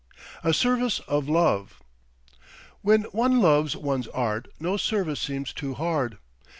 A SERVICE OF LOVE When one loves one's Art no service seems too hard.